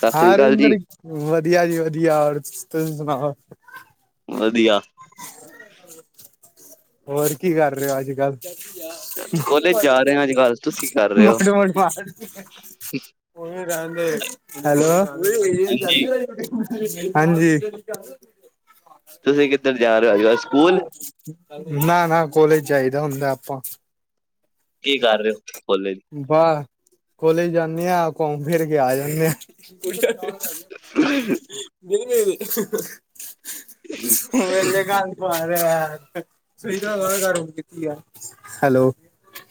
ਸਤਿ ਸ੍ਰੀ ਹਾਂ ਅਕਾਲ ਜੀ ਇੰਦਰ ਵਧੀਆ ਜੀ- ਵਧੀਆ ਹੋਰ ਤੁਸੀ ਸੁਣਾਓ? ਵਧੀਆ। ਹੋਰ ਕੀ ਕਰ ਰਹੇ ਹੋ ਅੱਜ-ਕੱਲ? ਕੋਲੇਜ ਜਾ ਰਹੇ ਹੋ ਅੱਜ ਕੱਲ ਤੁਸੀਂ ਕਰ ਰਹੇ ਹੋ [unintelligible] [unintelligible] ਹੈਲੋ, ਜਾਂਦੀ ਹੋਣੀ ਹਾਂਜੀ ਹਾਂਜੀ। ਤੁਸੀਂ ਕਿੱਧਰ ਜਾ ਰਹੇ ਹੋ ਸਕੂਲ। ਨਾ-ਨਾ ਕੋਲੇਜ ਚਹੀਦਾ ਹੁੰਦਾ ਆਪਾਂ, ਕੀ ਕਿ ਕਰ ਰਹੇ ਰਹੋ ਹੋ? ਕੋਲੇਜ ਬਸ, ਕੋਲੇਜ ਜਾਂਦੇ ਹ ਘੁੰਮ-ਫਿਰ ਕੇ ਆ ਜਾਂਦੇ ਆ। [unintelligible] ਮੇਰੇ ਗਲ ਪਵਾ ਦੇ ਯਾਰ ਸਹੀ ਤਰਹਾ ਕਿ ਹਾਂ? ਹੈਲੋ।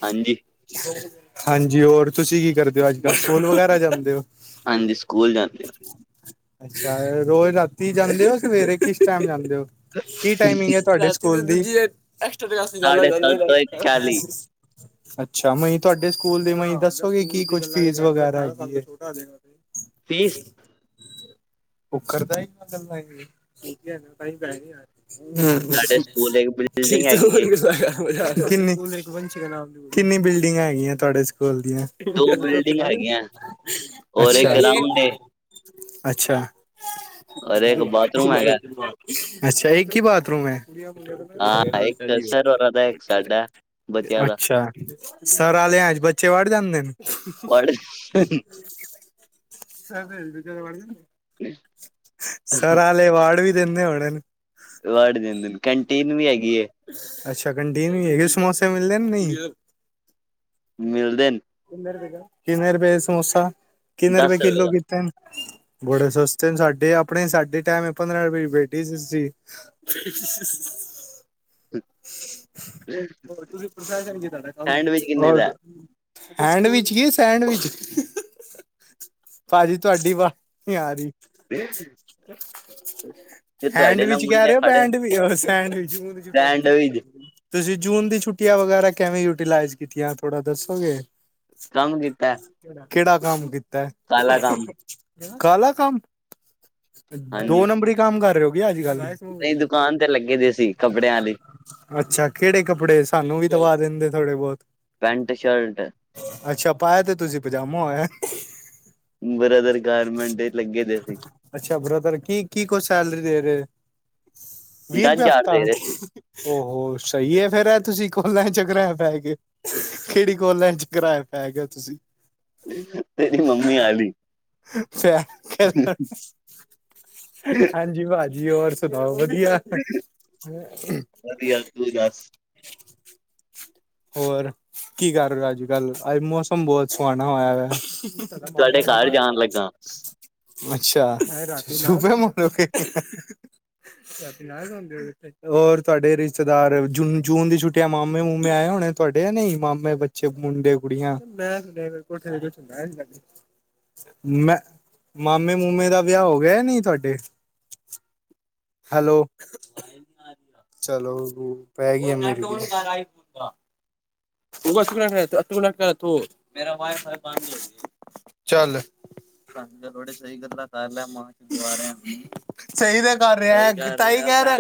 ਹਾਂਜੀ। ਹਾਂਜੀ, ਹੋਰ ਤੁਸੀਂ ਕੀ ਕਰਦੇ ਹੋ ਅੱਜ-ਕੱਲ੍ਹ ਸਕੂਲ ਵਗੈਰਾ ਜਾਂਦੇ ਹੋ? ਹਾਂਜੀ, ਸਕੂਲ ਜਾਂਦੇ ਹਾਂ। ਅੱਛਾ, ਰੋਜ਼ ਰਾਤੀ ਜਾਂਦੇ ਹੋ ਸਵੇਰੇ ਕਿਸ ਟਾਈਮ ਜਾਂਦੇ ਹੋ? ਕੀ ਟਮਿੰਗ ਹੈ ਤੁਹਾਡੇ ਸਕੂਲ ਦੀ? [unintelligible] ਸਾਢੇ ਸੱਤ ਤੋਂ ਇੱਕ ਚਾਲੀ ਅੱਛਾ, ਨੀ ਤੁਹਾਡੇ ਸਕੂਲ ਦੀ ਨੀ ਦੱਸੋਗੇ ਕੀ ਕੁਝ ਫੀਸ ਵਗੈਰਾ ਹੈਗੀ ਐਂ? [inaudible] ਫੀਸ ਉਹ ਕਰਦਾ ਹੀ ਗੱਲਾਂ ਇਵੇਂ ਦੀ ਹੈ ਉਹ ਕਰਦਾ, ਕਿਤਿਆ ਨੇ ਸਾਡੇ ਸਕੂਲ ਇੱਕ ਹੂੰ, ਬਿਲਡਿੰਗ ਕਿਤਾ ਹੈਗੀ ਏ ਹੋਰ ਕਿੰਨੀ-ਕਿੰਨੀ ਬਿਲਡਿੰਗਾਂ ਹੈਗੀਆਂ, ਤੁਹਾਡੇ ਸਕੂਲ ਦੀਆਂ? ਦੋ ਬਿਲਡਿੰਗ ਹੈਗੀਆਂ ਔਰ ਇੱਕ ਅੱਛਾ-ਅੱਛਾ। ਗਰਾਊਂਡ ਏ ਔਰ ਇੱਕ ਬਾਥਰੂਮ ਹੈਗਾ ਅੱਛਾ, ਇੱਕ ਹੀ ਬਾਥਰੂਮ ਹੈ। ਹਾਂ ਇੱਕ ਸਰ ਔਰਾ ਦਾ ਹੈ ਹੋਰ ਇਕ ਸਾਡਾ ਹੈ। ਅੱਛਾ, ਸਰ ਆਲੇਆ ਚ ਬੱਚੇ ਵੜ ਜਾਂਦੇ ਨੇ? ਵੜ ਸਰ ਉਹਨਾਂ ਦੇ ਬੱਚੇ ਵੜ ਜਾਂਦੇ ਨੇ? ਸਰ ਵਾਲੇ ਵਾੜ ਵੀ ਦਿੰਦੇ ਹੋਣੇ ਹਨ। ਵਾਡ ਵੀ ਦਿੰਦੇ ਹਨ, ਕੈਨਟੀਨ ਵੀ ਹੈਗੀ ਐਂ। ਅੱਛਾ, ਕੈਨਟੀਨ ਵੀ ਹੈਗੀ ਐਂ, ਸਮੋਸੇ ਮਿਲਦੇ ਨੀ। ਮਿਲਦੇ ਨੇ। ਕਿੰਨੇ ਰੁਪਏ, ਕਿੰਨੇ ਰੁਪਏ ਸਮੋਸਾ ਕਿੰਨੇ ਰੁਪਏ ਦਸ ਕਿਲੋ ਦਾ ਕਿਤੇ ਨੇ? ਬੜੇ ਸਸਤੇ ਨੇ, ਸਾਡੇ ਆਪਣੇ ਸਾਡੇ ਟਾਈਮ ਪੰਦਰਾਂ ਰੁਪਏ ਪੇਟੀਸ ਸੀ। ਹੀ-ਹੀ-ਹੀ। ਔਰ ਤੁਸੀਂ ਪ੍ਰੋਫੈਸਰ ਹੋ ਤੁਹਾਡਾ ਕੰਮ ਹੀ ਸੈਂਡਵਿਚ ਕਿੰਨੇ ਦਾ ਕੀ? ਹੈਡਵਿਚ ਕੀ- ਸੈਂਡਵਿਚ, ਭਾਜੀ ਤੁਹਾਡੀ ਵ ਵਾਜ ਨੀਂ। ਤੇ ਤੁਹਾਡੇ ਨਾਲ ਹੈਂਡਵਿਚ ਕਹਿ ਮੁੰਡੇ ਰਹੇ ਹੋ ਖੜੇ ਬੈਡ ਸੈਂਡਵਿਚ ਬ੍ਰੈਂਡ ਵੀ ਤੁਸੀਂ ਜੂਨ ਦੀ ਛੁੱਟੀਆਂ ਵਗੈਰਾ ਕਿਵੇਂ ਯੂਟੀਲਾਈਜ਼ ਕੀਤੀਆਂ ਤੁਥੋੜਾ ਦੱਸੋਗੇ? ਕੰਮ ਕੀਤਾ, ਕਿਹੜਾ ਕੰਮ ਕੀਤਾ? ਕਾਲਾ ਕੰਮ ਕਾਲਾ ਕੰਮ ਹਾਂਜੀ ਦੋ ਨੰਬਰੀ ਕੰਮ ਕਰ ਰਿਹ ਹੋ ਕੇ ਅੱਜ-ਕੱਲ? ਨਹੀਂ ਦੁਕਾਨ ਤੇ ਲੱਗੇ ਦੇ ਸੀ ਕੱਪੜਿਆਂ ਵਾਲੀ। ਅੱਛਾ, ਕਿਹੜੇ ਕੱਪੜੇ ਸਾਨੂੰ ਵੀ ਦਵਾ ਦਿੰਦੇ ਥੋੜੇ ਬਹੁਤ? Pant shirt. ਅੱਛਾ, ਪਾਇਆ ਤੇ ਤੁਸੀਂ ਪਜਾਮਾ ਹੋਇਆ ਏ। ਬ੍ਰਦਰ ਗਾਰਮੈਂਟ ਤੇ ਲੱਗੇ ਦੇ ਸੀ। ਅੱਛਾ, ਬ੍ਰਦਰ ਕੀ- ਕੀ ਕੋ ਸੈਲਰੀ ਦੇ ਰਹੇ, ਦਸ ਵੀਹ ਹਜ਼ਾਰ। ਦੇ ਰਹੇ ਸੀ ਉ-ਹੋ ਸਹੀ ਹੈ, ਫੇਰ ਤੁਸੀਂ ਕੋਲਾ ਦੇ ਚੱਕਰ ਪੈਗੇ ਓ। ਕਿਹੜੀ ਕੋਲਾ ਦੇ ਚਕਰਾ ਵਿਚ ਪੈ ਗੇਓ, ਤੁਸੀਂ ਤੇਰੀ ਮੰਮੀ ਆਲੀ [unintelligible] ਜੀ, ਭਾਜੀ ਹੋਰ ਸੁਣਾਓ ਵਧੀਆ। ਵਧੀਆ, ਤੂੰ ਦਸ। ਹੋਰ ਕੀ ਕਰ ਰਹੇ ਹੋ ਅੱਜ ਕੱਲ, ਮੌਸਮ ਬਹੁਤ ਸੋਹਾਨਾ ਹੋਇਆ ਵਾ। ਤੁਹਾਡੇ ਘਰ ਜਾਣ ਲੱਗਾ। ਅੱਛਾ। ਹੋਰ ਤੁਹਾਡੇ ਰਿਸ਼ਤੇਦਾਰ ਜੂ, ਜੂਨ ਦੀ ਛੁੱਟਿਆਂ ਮਾਮੇ-ਮੂਮੇ ਆਏ ਹੋਣ ਨ। ਤੁਹਾਡੇ ਐ ਨਹੀਂ, ਮਾਮੇ, ਬੱਚੇ, ਮੁੰਡੇ, ਕੁੜੀਆਂ ਮੈਂ ਮੈਂ ਮਾਮੇ-ਮੂੰਮੇ ਦਾ ਵਿਆਹ ਹੋ ਗਿਆ ਨਹੀਂ ਤੁਹਾਡੇ? ਹੈਲੋ ਚਲੋ ਪੈ ਗਈ ਮੇਰੇ ਕੋਲ। [unintelligible] ਚੱਲ ਥੋੜੀ ਸਹੀ ਗੱਲਾਂ ਕਰ ਲੈ, ਸਹੀ ਤੇ ਕਰ ਰਿਹਾ, ਤਾਂ ਕਹਿ ਰਿਹਾ।